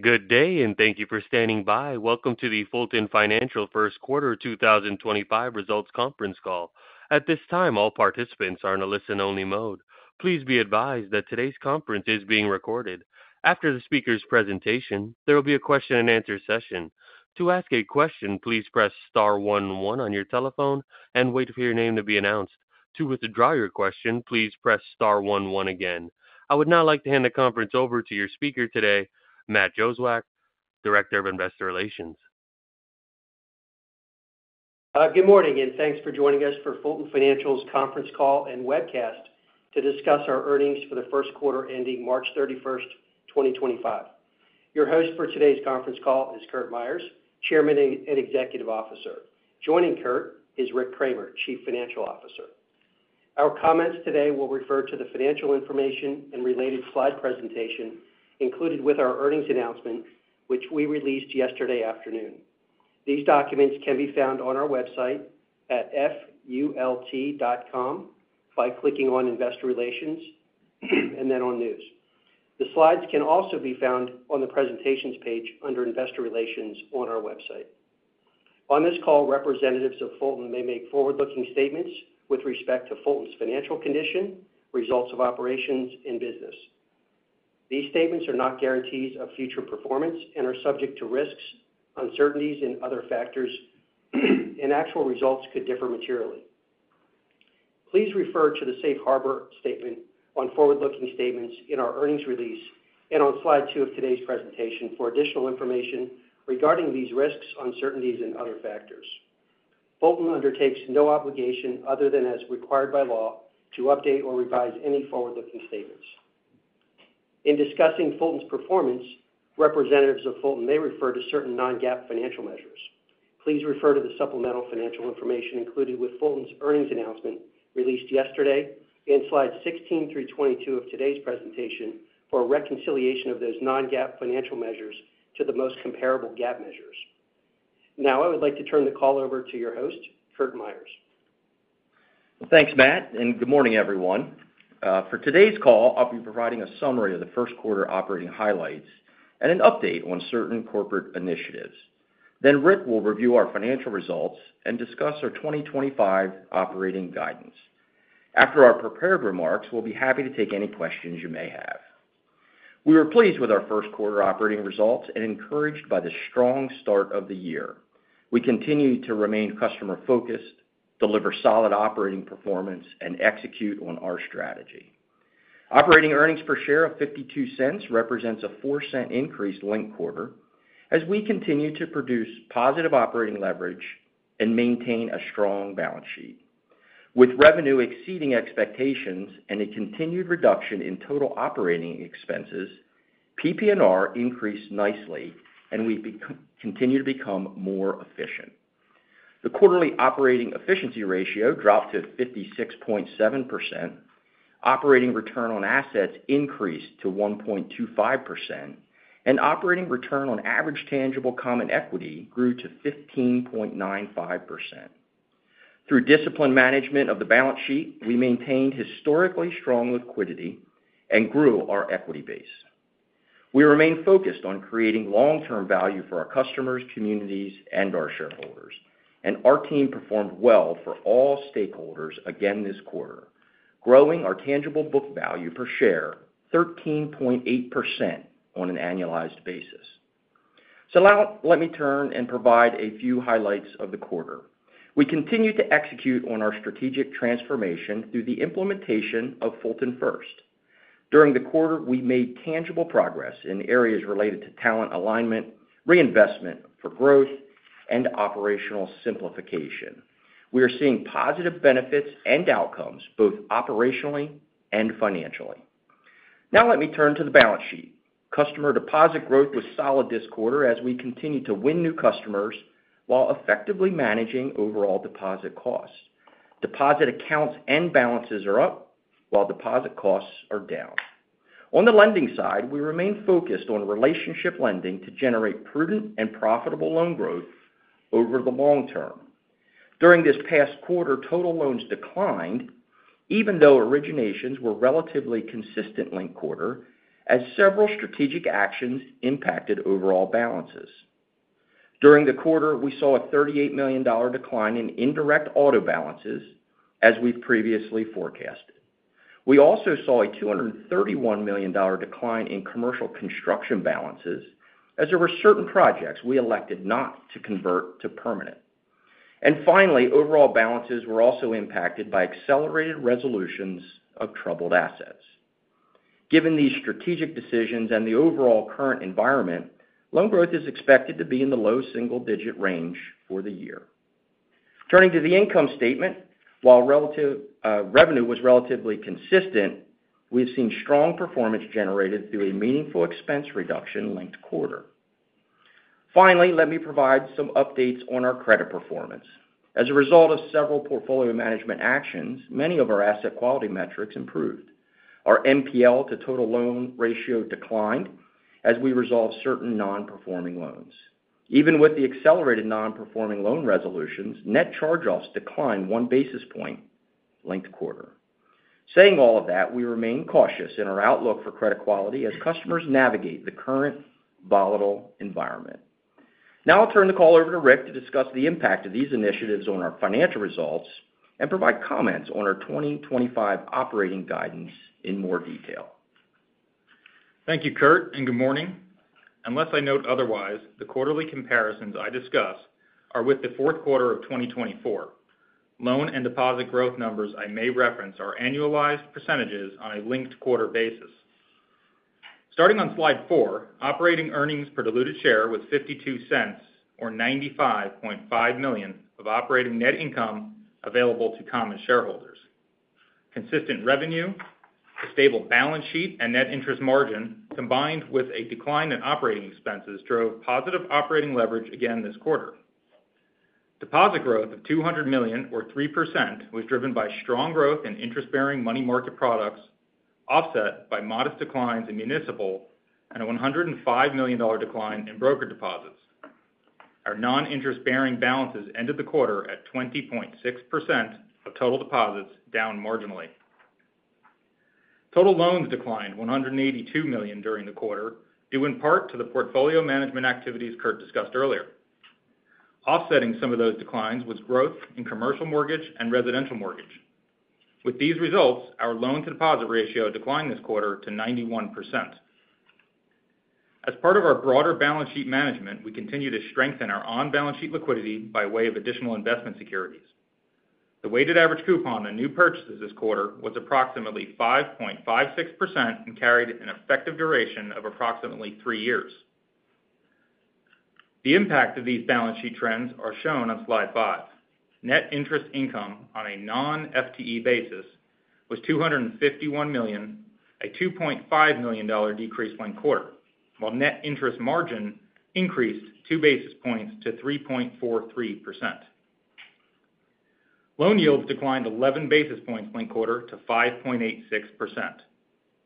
Good day, and thank you for standing by. Welcome to the Fulton Financial first quarter 2025 results conference call. At this time, all participants are in a listen-only mode. Please be advised that today's conference is being recorded. After the speaker's presentation, there will be a question-and-answer session. To ask a question, please press star one one on your telephone and wait for your name to be announced. To withdraw your question, please press star one one again. I would now like to hand the conference over to your speaker today, Matt Jozwiak, Director of Investor Relations. Good morning, and thanks for joining us for Fulton Financial's conference call and webcast to discuss our earnings for the first quarter ending March 31st, 2025. Your host for today's conference call is Curt Myers, Chairman and Executive Officer. Joining Curt is Rick Kraemer, Chief Financial Officer. Our comments today will refer to the financial information and related slide presentation included with our earnings announcement, which we released yesterday afternoon. These documents can be found on our website at fulton.com by clicking on Investor Relations and then on News. The slides can also be found on the presentations page under Investor Relations on our website. On this call, representatives of Fulton may make forward-looking statements with respect to Fulton's financial condition, results of operations, and business. These statements are not guarantees of future performance and are subject to risks, uncertainties, and other factors, and actual results could differ materially. Please refer to the safe harbor statement on forward-looking statements in our earnings release and on slide two of today's presentation for additional information regarding these risks, uncertainties, and other factors. Fulton undertakes no obligation other than as required by law to update or revise any forward-looking statements. In discussing Fulton's performance, representatives of Fulton may refer to certain non-GAAP financial measures. Please refer to the supplemental financial information included with Fulton's earnings announcement released yesterday and slides 16 through 22 of today's presentation for reconciliation of those non-GAAP financial measures to the most comparable GAAP measures. Now, I would like to turn the call over to your host, Curt Myers. Thanks, Matt, and good morning, everyone. For today's call, I'll be providing a summary of the first quarter operating highlights and an update on certain corporate initiatives. Rick will review our financial results and discuss our 2025 operating guidance. After our prepared remarks, we'll be happy to take any questions you may have. We were pleased with our first quarter operating results and encouraged by the strong start of the year. We continue to remain customer-focused, deliver solid operating performance, and execute on our strategy. Operating earnings per share of $0.52 represents a $0.04 increase late quarter as we continue to produce positive operating leverage and maintain a strong balance sheet. With revenue exceeding expectations and a continued reduction in total operating expenses, PPNR increased nicely, and we continue to become more efficient. The quarterly operating efficiency ratio dropped to 56.7%, operating return on assets increased to 1.25%, and operating return on average tangible common equity grew to 15.95%. Through disciplined management of the balance sheet, we maintained historically strong liquidity and grew our equity base. We remain focused on creating long-term value for our customers, communities, and our shareholders, and our team performed well for all stakeholders again this quarter, growing our tangible book value per share 13.8% on an annualized basis. Now let me turn and provide a few highlights of the quarter. We continue to execute on our strategic transformation through the implementation of Fulton First. During the quarter, we made tangible progress in areas related to talent alignment, reinvestment for growth, and operational simplification. We are seeing positive benefits and outcomes both operationally and financially. Now let me turn to the balance sheet. Customer deposit growth was solid this quarter as we continue to win new customers while effectively managing overall deposit costs. Deposit accounts and balances are up while deposit costs are down. On the lending side, we remain focused on relationship lending to generate prudent and profitable loan growth over the long term. During this past quarter, total loans declined even though originations were relatively consistent late quarter as several strategic actions impacted overall balances. During the quarter, we saw a $38 million decline in indirect auto balances as we've previously forecasted. We also saw a $231 million decline in commercial construction balances as there were certain projects we elected not to convert to permanent. Finally, overall balances were also impacted by accelerated resolutions of troubled assets. Given these strategic decisions and the overall current environment, loan growth is expected to be in the low single-digit range for the year. Turning to the income statement, while revenue was relatively consistent, we've seen strong performance generated through a meaningful expense reduction late quarter. Finally, let me provide some updates on our credit performance. As a result of several portfolio management actions, many of our asset quality metrics improved. Our NPL to total loan ratio declined as we resolved certain non-performing loans. Even with the accelerated non-performing loan resolutions, net charge-offs declined one basis point late quarter. Saying all of that, we remain cautious in our outlook for credit quality as customers navigate the current volatile environment. Now I'll turn the call over to Rick to discuss the impact of these initiatives on our financial results and provide comments on our 2025 operating guidance in more detail. Thank you, Curt, and good morning. Unless I note otherwise, the quarterly comparisons I discuss are with the fourth quarter of 2024. Loan and deposit growth numbers I may reference are annualized percentages on a linked quarter basis. Starting on slide four, operating earnings per diluted share was $0.52 or $95.5 million of operating net income available to common shareholders. Consistent revenue, a stable balance sheet, and net interest margin combined with a decline in operating expenses drove positive operating leverage again this quarter. Deposit growth of $200 million or 3% was driven by strong growth in interest-bearing money market products offset by modest declines in municipal and a $105 million decline in brokered deposits. Our non-interest-bearing balances ended the quarter at 20.6% of total deposits down marginally. Total loans declined $182 million during the quarter due in part to the portfolio management activities Curt discussed earlier. Offsetting some of those declines was growth in commercial mortgage and residential mortgage. With these results, our loan-to-deposit ratio declined this quarter to 91%. As part of our broader balance sheet management, we continue to strengthen our on-balance sheet liquidity by way of additional investment securities. The weighted average coupon on new purchases this quarter was approximately 5.56% and carried an effective duration of approximately three years. The impact of these balance sheet trends is shown on slide five. Net interest income on a non-FTE basis was $251 million, a $2.5 million decrease late quarter, while net interest margin increased two basis points to 3.43%. Loan yields declined 11 basis points late quarter to 5.86%.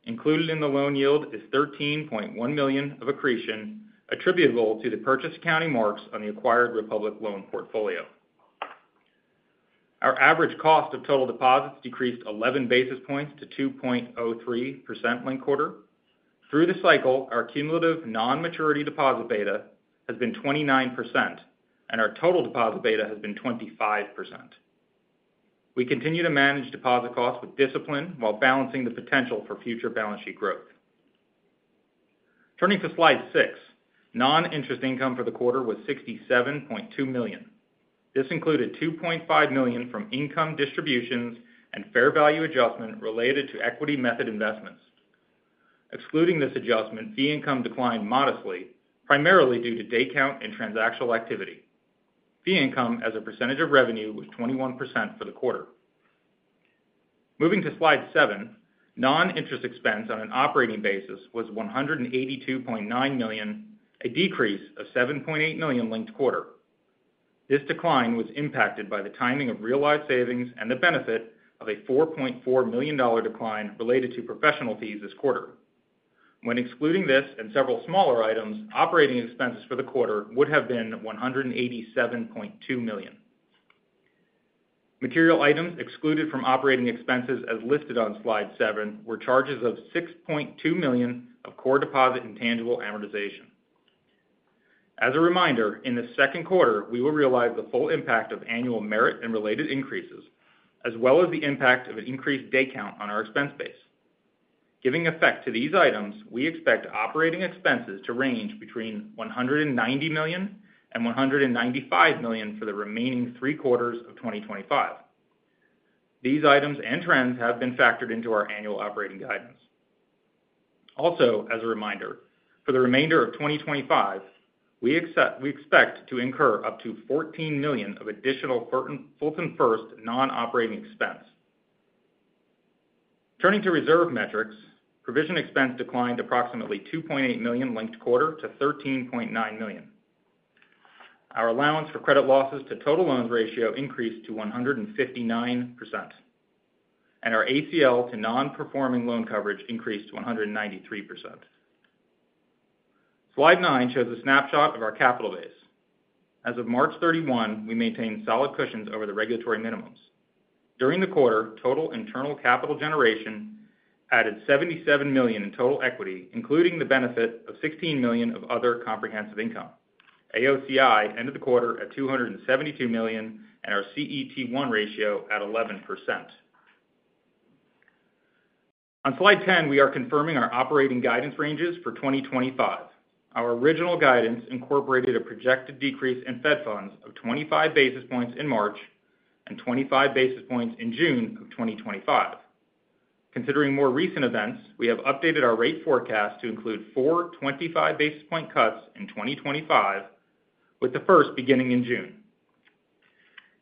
Included in the loan yield is $13.1 million of accretion attributable to the purchase accounting marks on the acquired Republic loan portfolio. Our average cost of total deposits decreased 11 basis points to 2.03% late quarter. Through the cycle, our cumulative non-maturity deposit beta has been 29%, and our total deposit beta has been 25%. We continue to manage deposit costs with discipline while balancing the potential for future balance sheet growth. Turning to slide 6, non-interest income for the quarter was $67.2 million. This included $2.5 million from income distributions and fair value adjustment related to equity method investments. Excluding this adjustment, fee income declined modestly, primarily due to day count and transactional activity. Fee income as a percentage of revenue was 21% for the quarter. Moving to slide 7, non-interest expense on an operating basis was $182.9 million, a decrease of $7.8 million late quarter. This decline was impacted by the timing of realized savings and the benefit of a $4.4 million decline related to professional fees this quarter. When excluding this and several smaller items, operating expenses for the quarter would have been $187.2 million. Material items excluded from operating expenses as listed on slide seven were charges of $6.2 million of core deposit intangible amortization. As a reminder, in the second quarter, we will realize the full impact of annual merit and related increases, as well as the impact of an increased day count on our expense base. Giving effect to these items, we expect operating expenses to range between $190 million and $195 million for the remaining three quarters of 2025. These items and trends have been factored into our annual operating guidance. Also, as a reminder, for the remainder of 2025, we expect to incur up to $14 million of additional Fulton First non-operating expense. Turning to reserve metrics, provision expense declined approximately $2.8 million late quarter to $13.9 million. Our allowance for credit losses to total loans ratio increased to 1.59%, and our ACL to non-performing loan coverage increased to 1.93%. Slide nine shows a snapshot of our capital base. As of March 31, we maintained solid cushions over the regulatory minimums. During the quarter, total internal capital generation added $77 million in total equity, including the benefit of $16 million of other comprehensive income. AOCI ended the quarter at $272 million and our CET1 ratio at 11%. On slide 10, we are confirming our operating guidance ranges for 2025. Our original guidance incorporated a projected decrease in Fed funds of 25 basis points in March and 25 basis points in June of 2025. Considering more recent events, we have updated our rate forecast to include four 25 basis point cuts in 2025, with the first beginning in June.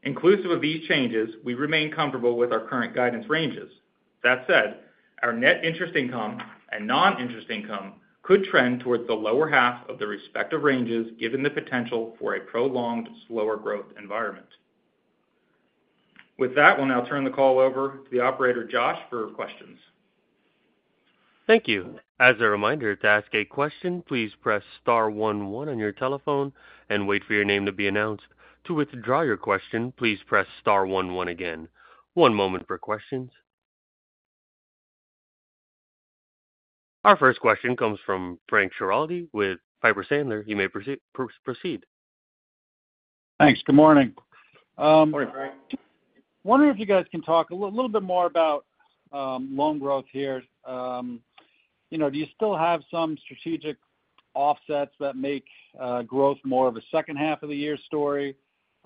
Inclusive of these changes, we remain comfortable with our current guidance ranges. That said, our net interest income and non-interest income could trend towards the lower half of the respective ranges given the potential for a prolonged slower growth environment. With that, we'll now turn the call over to the operator, Josh, for questions. Thank you. As a reminder, to ask a question, please press star one one on your telephone and wait for your name to be announced. To withdraw your question, please press star one one again. One moment for questions. Our first question comes from Frank Schiraldi with Piper Sandler. You may proceed. Thanks. Good morning. Wondering if you guys can talk a little bit more about loan growth here. Do you still have some strategic offsets that make growth more of a second half of the year story?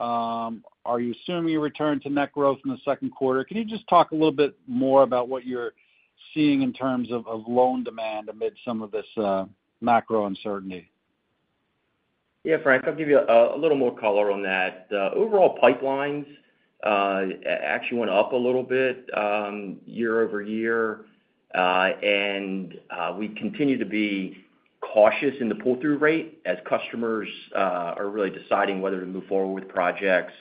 Are you assuming a return to net growth in the second quarter? Can you just talk a little bit more about what you're seeing in terms of loan demand amid some of this macro uncertainty? Yeah, Frank, I'll give you a little more color on that. Overall pipelines actually went up a little bit year-over-year, and we continue to be cautious in the pull-through rate as customers are really deciding whether to move forward with projects.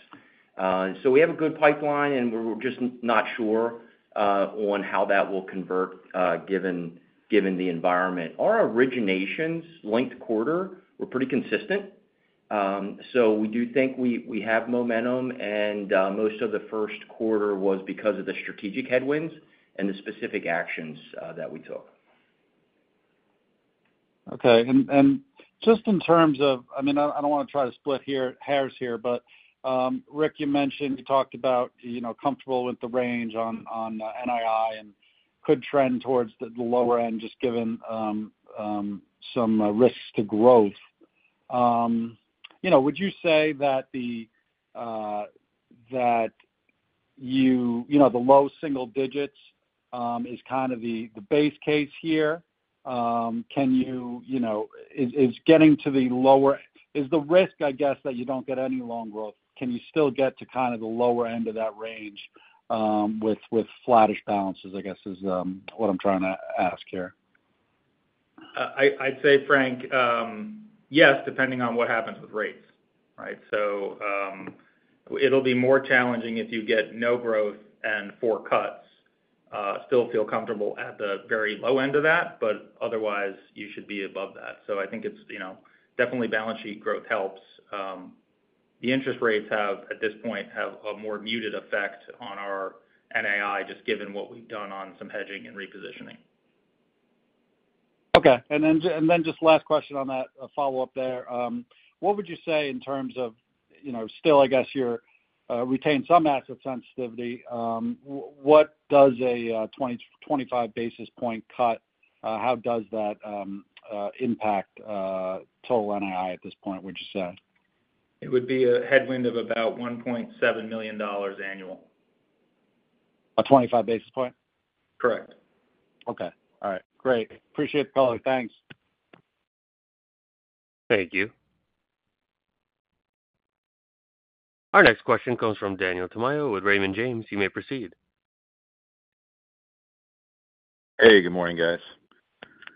We have a good pipeline, and we're just not sure on how that will convert given the environment. Our originations late quarter were pretty consistent. We do think we have momentum, and most of the first quarter was because of the strategic headwinds and the specific actions that we took. Okay. Just in terms of, I mean, I don't want to try to split hairs here, but Rick, you mentioned you talked about comfortable with the range on NII and could trend towards the lower end just given some risks to growth. Would you say that the low single digits is kind of the base case here? Is getting to the lower, is the risk, I guess, that you don't get any loan growth, can you still get to kind of the lower end of that range with flattish balances, I guess, is what I'm trying to ask here? I'd say, Frank, yes, depending on what happens with rates, right? It will be more challenging if you get no growth and four cuts. Still feel comfortable at the very low end of that, but otherwise, you should be above that. I think it's definitely balance sheet growth helps. The interest rates at this point have a more muted effect on our NII just given what we've done on some hedging and repositioning. Okay. And then just last question on that follow-up there. What would you say in terms of still, I guess, you retain some asset sensitivity. What does a 25 basis point cut, how does that impact total NII at this point, would you say? It would be a headwind of about $1.7 million annual. A 25 basis point? Correct. Okay. All right. Great. Appreciate the color. Thanks. Thank you. Our next question comes from Daniel Tamayo with Raymond James. You may proceed. Hey, good morning, guys.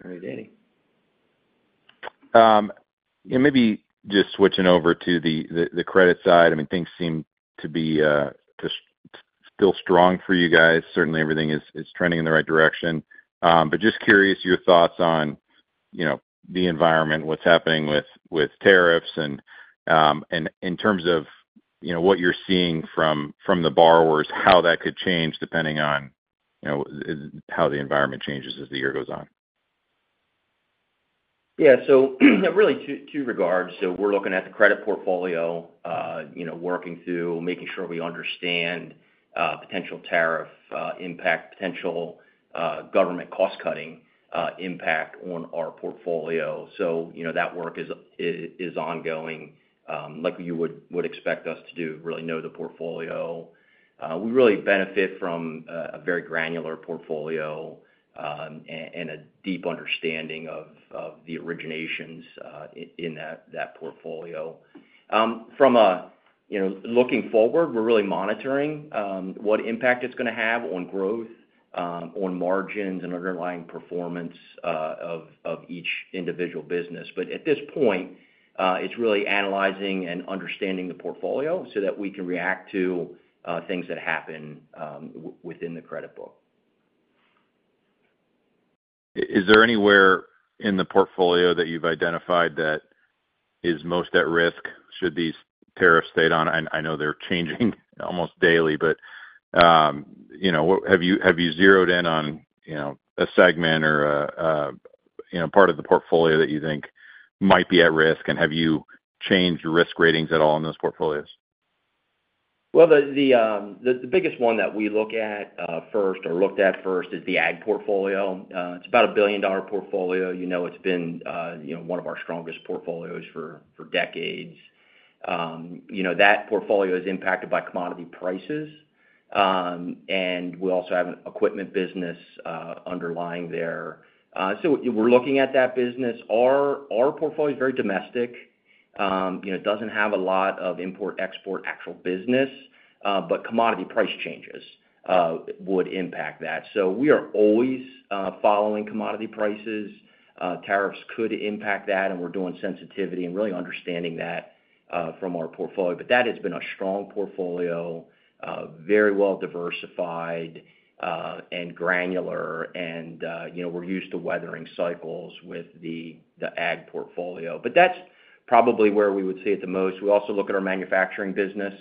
Hey, Danny. Maybe just switching over to the credit side. I mean, things seem to be still strong for you guys. Certainly, everything is trending in the right direction. Just curious your thoughts on the environment, what's happening with tariffs, and in terms of what you're seeing from the borrowers, how that could change depending on how the environment changes as the year goes on. Yeah. So really two regards. We're looking at the credit portfolio, working through making sure we understand potential tariff impact, potential government cost-cutting impact on our portfolio. That work is ongoing, like you would expect us to do, really know the portfolio. We really benefit from a very granular portfolio and a deep understanding of the originations in that portfolio. From looking forward, we're really monitoring what impact it's going to have on growth, on margins, and underlying performance of each individual business. At this point, it's really analyzing and understanding the portfolio so that we can react to things that happen within the credit book. Is there anywhere in the portfolio that you've identified that is most at risk should these tariffs stay down? I know they're changing almost daily, but have you zeroed in on a segment or a part of the portfolio that you think might be at risk, and have you changed risk ratings at all in those portfolios? The biggest one that we look at first or looked at first is the ag portfolio. It's about a $1 billion portfolio. It's been one of our strongest portfolios for decades. That portfolio is impacted by commodity prices, and we also have an equipment business underlying there. We are looking at that business. Our portfolio is very domestic. It doesn't have a lot of import-export actual business, but commodity price changes would impact that. We are always following commodity prices. Tariffs could impact that, and we're doing sensitivity and really understanding that from our portfolio. That has been a strong portfolio, very well diversified and granular, and we're used to weathering cycles with the ag portfolio. That's probably where we would see it the most. We also look at our manufacturing business,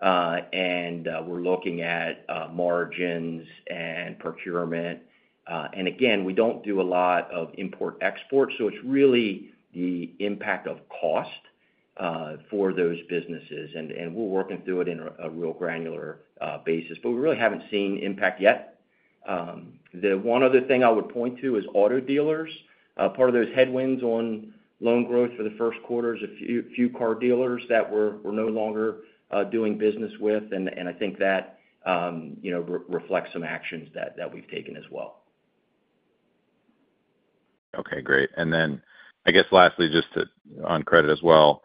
and we're looking at margins and procurement. We do not do a lot of import-export, so it is really the impact of cost for those businesses, and we are working through it in a real granular basis, but we really have not seen impact yet. The one other thing I would point to is auto dealers. Part of those headwinds on loan growth for the first quarter is a few car dealers that we are no longer doing business with, and I think that reflects some actions that we have taken as well. Okay. Great. I guess lastly, just on credit as well,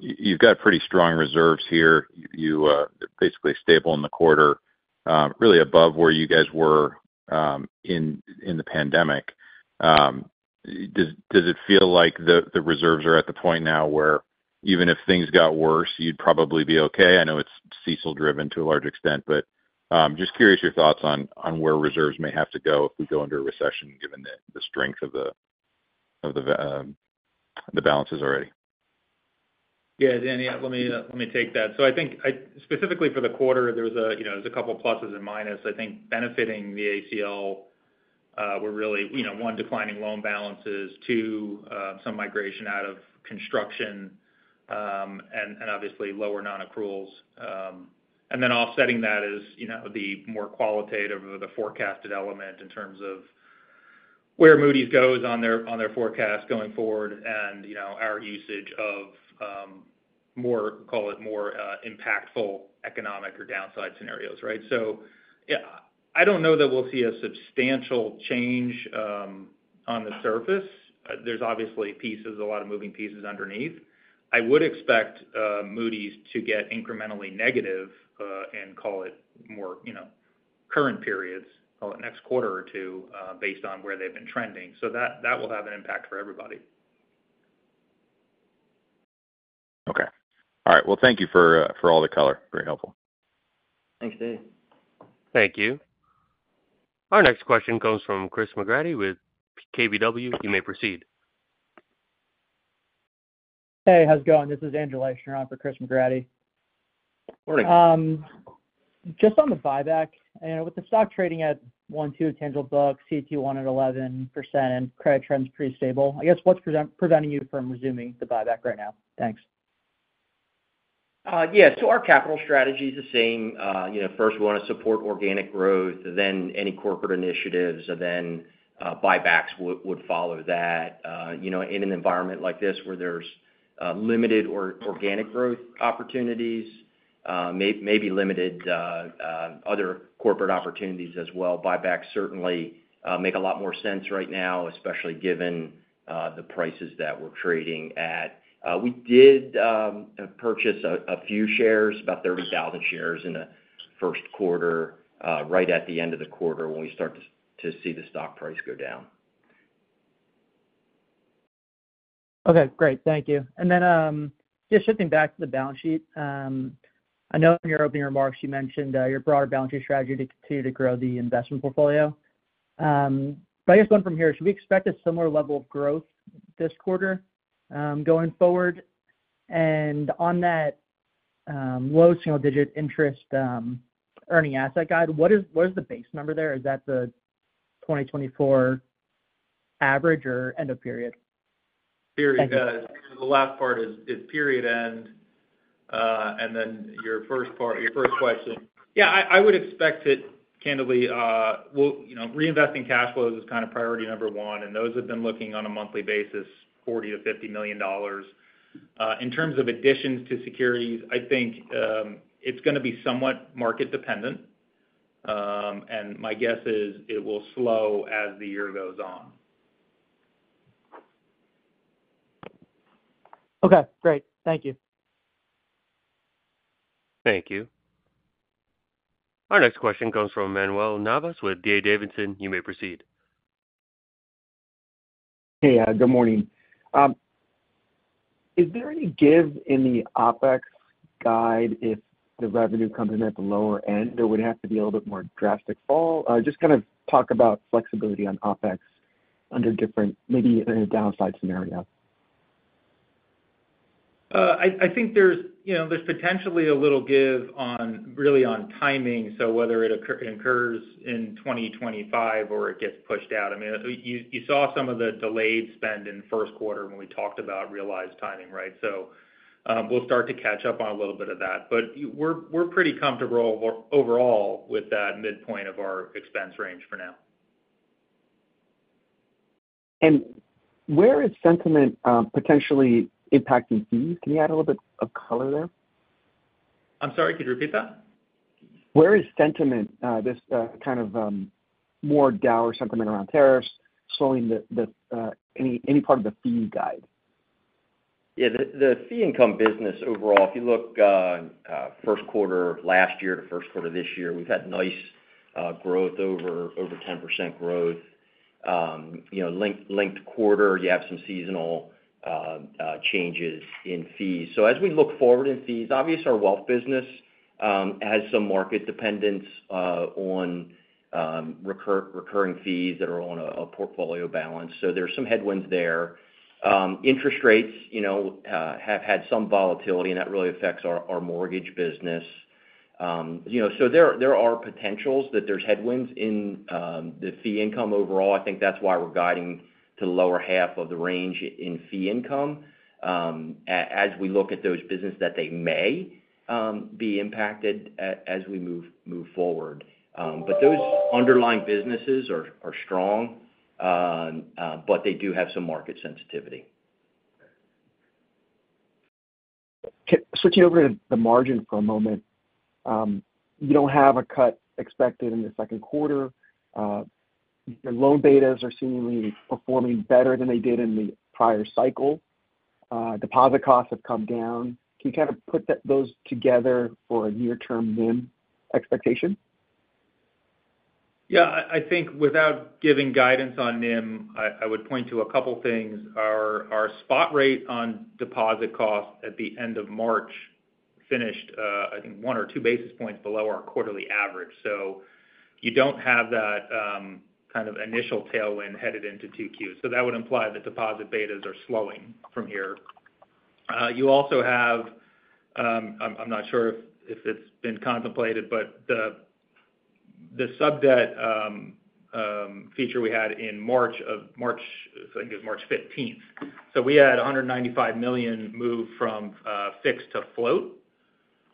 you've got pretty strong reserves here. You're basically stable in the quarter, really above where you guys were in the pandemic. Does it feel like the reserves are at the point now where even if things got worse, you'd probably be okay? I know it's CECL-driven to a large extent, but just curious your thoughts on where reserves may have to go if we go into a recession given the strength of the balances already. Yeah, Daniel, let me take that. I think specifically for the quarter, there's a couple of pluses and minuses. I think benefiting the ACL were really, one, declining loan balances; two, some migration out of construction; and obviously, lower non-accruals. Offsetting that is the more qualitative or the forecasted element in terms of where Moody's goes on their forecast going forward and our usage of, call it, more impactful economic or downside scenarios, right? I don't know that we'll see a substantial change on the surface. There's obviously a lot of moving pieces underneath. I would expect Moody's to get incrementally negative and call it more current periods, call it next quarter or two, based on where they've been trending. That will have an impact for everybody. Okay. All right. Thank you for all the color. Very helpful. Thanks, Danny. Thank you. Our next question comes from Chris McGratty with KBW. You may proceed. Hey, how's it going? This is Angela Eicher for Chris McGratty. Morning. Just on the buyback, with the stock trading at $120, CET1 11%, and credit trends pretty stable, I guess what's preventing you from resuming the buyback right now? Thanks. Yeah. Our capital strategy is the same. First, we want to support organic growth, then any corporate initiatives, then buybacks would follow that. In an environment like this where there's limited organic growth opportunities, maybe limited other corporate opportunities as well, buybacks certainly make a lot more sense right now, especially given the prices that we're trading at. We did purchase a few shares, about 30,000 shares in the first quarter, right at the end of the quarter when we start to see the stock price go down. Okay. Great. Thank you. Just shifting back to the balance sheet, I know in your opening remarks you mentioned your broader balance sheet strategy to continue to grow the investment portfolio. I guess going from here, should we expect a similar level of growth this quarter going forward? On that low single-digit interest earning asset guide, what is the base number there? Is that the 2024 average or end of period? Period. The last part is period end, and then your first question. Yeah, I would expect it, candidly, reinvesting cash flows is kind of priority number one, and those have been looking on a monthly basis, $40 million-$50 million. In terms of additions to securities, I think it's going to be somewhat market dependent, and my guess is it will slow as the year goes on. Okay. Great. Thank you. Thank you. Our next question comes from Manuel Navas with D.A. Davidson. You may proceed. Hey, good morning. Is there any give in the OpEx guide if the revenue comes in at the lower end or would it have to be a little bit more drastic fall? Just kind of talk about flexibility on OpEx under different maybe a downside scenario. I think there's potentially a little give really on timing, so whether it occurs in 2025 or it gets pushed out. I mean, you saw some of the delayed spend in first quarter when we talked about realized timing, right? We'll start to catch up on a little bit of that. We are pretty comfortable overall with that midpoint of our expense range for now. Where is sentiment potentially impacting fees? Can you add a little bit of color there? I'm sorry, could you repeat that? Where is sentiment, this kind of more dour sentiment around tariffs slowing any part of the fee guide? Yeah. The fee-income business overall, if you look first quarter last year to first quarter this year, we've had nice growth, over 10% growth. Linked quarter, you have some seasonal changes in fees. As we look forward in fees, obviously our wealth business has some market dependence on recurring fees that are on a portfolio balance. There's some headwinds there. Interest rates have had some volatility, and that really affects our mortgage business. There are potentials that there's headwinds in the fee income overall. I think that's why we're guiding to the lower half of the range in fee income as we look at those businesses that they may be impacted as we move forward. Those underlying businesses are strong, but they do have some market sensitivity. Switching over to the margin for a moment, you do not have a cut expected in the second quarter. Loan betas are seemingly performing better than they did in the prior cycle. Deposit costs have come down. Can you kind of put those together for a near-term NIM expectation? Yeah. I think without giving guidance on NIM, I would point to a couple of things. Our spot rate on deposit costs at the end of March finished, I think, one or two basis points below our quarterly average. You do not have that kind of initial tailwind headed into Q2. That would imply that deposit betas are slowing from here. You also have—I am not sure if it has been contemplated—but the sub-debt feature we had in March, I think it was March 15th. We had $195 million move from fixed to float,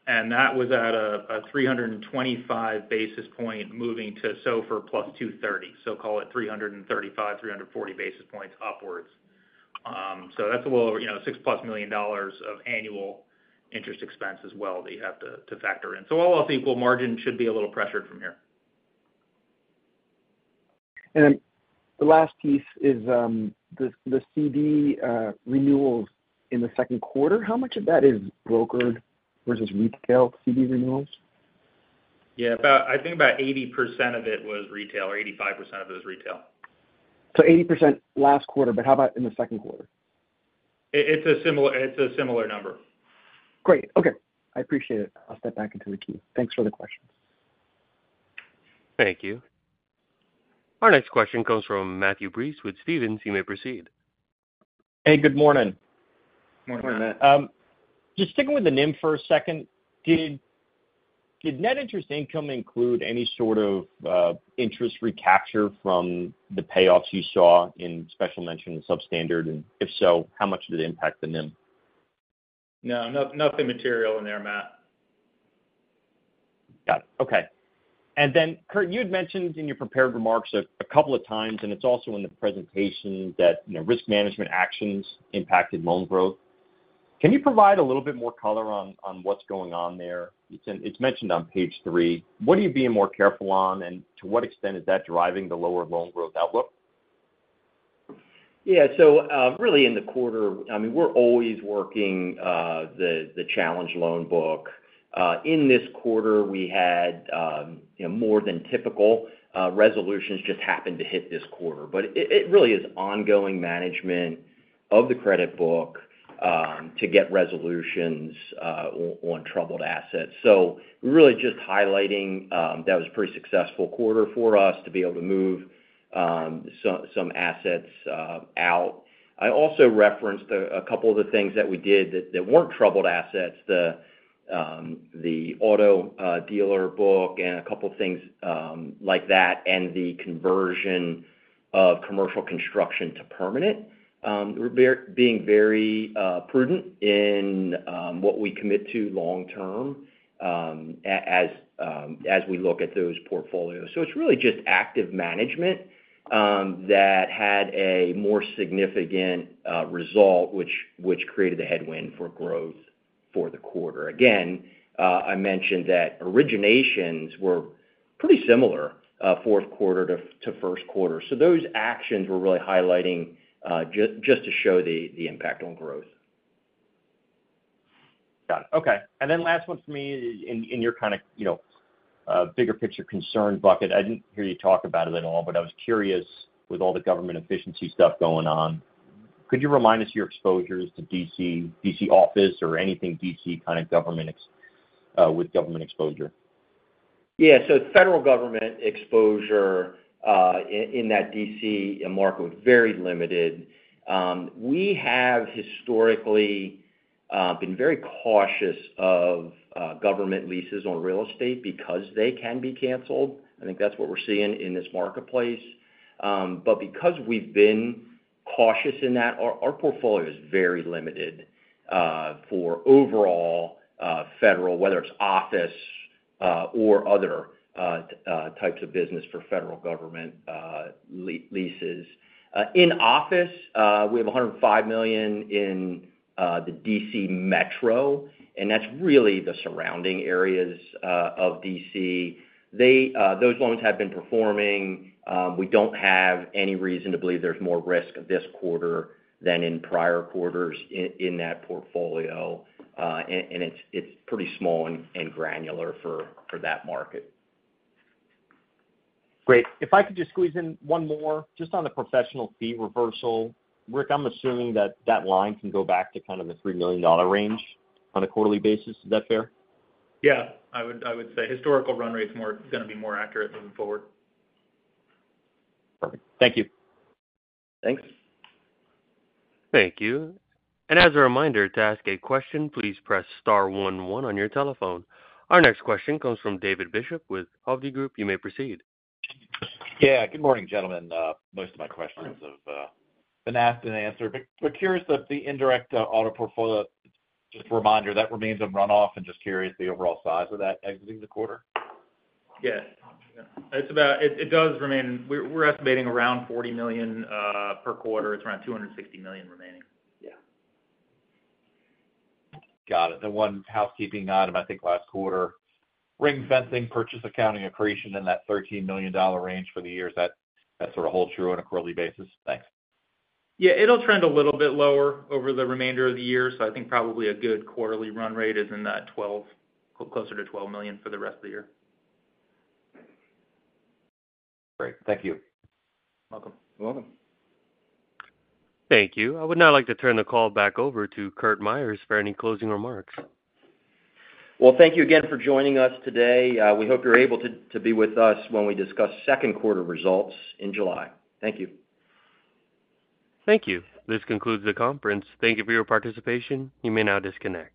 and that was at a 325 basis point moving to SOFR plus 230, so call it 335-340 basis points upwards. That is a little over $6 million of annual interest expense as well that you have to factor in. All else equal, margin should be a little pressured from here. The last piece is the CD renewals in the second quarter. How much of that is brokered versus retail CD renewals? Yeah. I think about 80% of it was retail or 85% of it was retail. Eighty percent last quarter, but how about in the second quarter? It's a similar number. Great. Okay. I appreciate it. I'll step back into the queue. Thanks for the questions. Thank you. Our next question comes from Matthew Breese with Stephens. You may proceed. Hey, good morning. Morning, Matt. Just sticking with the NIM for a second, did net interest income include any sort of interest recapture from the payoffs you saw in special mention and substandard? If so, how much did it impact the NIM? No. Nothing material in there, Matt. Got it. Okay. Curt, you had mentioned in your prepared remarks a couple of times, and it's also in the presentation that risk management actions impacted loan growth. Can you provide a little bit more color on what's going on there? It's mentioned on page three. What are you being more careful on, and to what extent is that driving the lower loan growth outlook? Yeah. So really in the quarter, I mean, we're always working the challenge loan book. In this quarter, we had more than typical resolutions just happen to hit this quarter. It really is ongoing management of the credit book to get resolutions on troubled assets. Really just highlighting that was a pretty successful quarter for us to be able to move some assets out. I also referenced a couple of the things that we did that weren't troubled assets, the auto dealer book and a couple of things like that, and the conversion of commercial construction to permanent. We're being very prudent in what we commit to long-term as we look at those portfolios. It's really just active management that had a more significant result, which created the headwind for growth for the quarter. Again, I mentioned that originations were pretty similar fourth quarter to first quarter. Those actions were really highlighting just to show the impact on growth. Got it. Okay. Last one for me, in your kind of bigger picture concern bucket, I didn't hear you talk about it at all, but I was curious with all the government efficiency stuff going on, could you remind us of your exposures to DC office or anything DC kind of government with government exposure? Yeah. Federal government exposure in that DC market was very limited. We have historically been very cautious of government leases on real estate because they can be canceled. I think that's what we're seeing in this marketplace. Because we've been cautious in that, our portfolio is very limited for overall federal, whether it's office or other types of business for federal government leases. In office, we have $105 million in the DC Metro, and that's really the surrounding areas of DC. Those loans have been performing. We don't have any reason to believe there's more risk this quarter than in prior quarters in that portfolio, and it's pretty small and granular for that market. Great. If I could just squeeze in one more just on the professional fee reversal, Rick, I'm assuming that that line can go back to kind of the $3 million range on a quarterly basis. Is that fair? Yeah. I would say historical run rate is going to be more accurate moving forward. Perfect. Thank you. Thanks. Thank you. As a reminder, to ask a question, please press star one one on your telephone. Our next question comes from David Bishop with Hovde Group. You may proceed. Yeah. Good morning, gentlemen. Most of my questions have been asked and answered. Curious that the indirect auto portfolio, just a reminder, that remains on runoff and just curious the overall size of that exiting the quarter. Yeah. It does remain. We're estimating around $40 million per quarter. It's around $260 million remaining. Yeah. Got it. The one housekeeping item, I think last quarter, ring fencing, purchase accounting accretion in that $13 million range for the year. Does that sort of hold true on a quarterly basis? Thanks. Yeah. It'll trend a little bit lower over the remainder of the year. I think probably a good quarterly run rate is in that $12 million, closer to $12 million for the rest of the year. Great. Thank you. You're welcome. Thank you. I would now like to turn the call back over to Curt Myers for any closing remarks. Thank you again for joining us today. We hope you're able to be with us when we discuss second quarter results in July. Thank you. Thank you. This concludes the conference. Thank you for your participation. You may now disconnect.